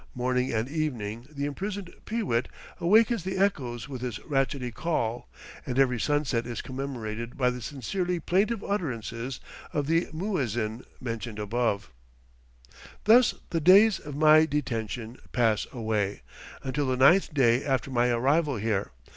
Morning and evening the imprisoned pee wit awakens the echoes with his ratchetty call, and every sunset is commemorated by the sincerely plaintive utterances of the muezzin mentioned above. Thus the days of my detention pass away, until the ninth day after my arrival here.